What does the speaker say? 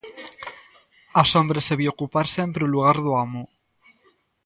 A sombra sabía ocupar sempre o lugar do amo.